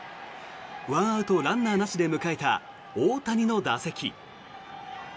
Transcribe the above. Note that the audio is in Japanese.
１アウト、ランナーなしで迎えた大谷の打席。